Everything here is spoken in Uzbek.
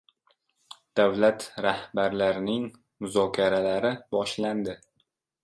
Davlat rahbarlarining muzokaralari boshlandi